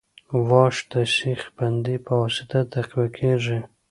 واش د سیخ بندۍ په واسطه تقویه کیږي